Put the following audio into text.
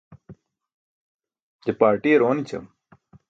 je parṭiyar oonićam